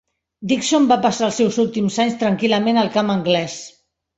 Dickson va passar els seus últims anys tranquil·lament al camp anglès.